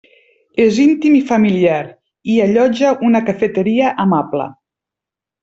És íntim i familiar, i allotja una cafeteria amable.